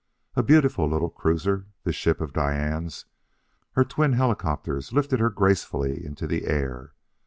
A beautiful little cruiser, this ship of Diane's; her twin helicopters lifted her gracefully into the air.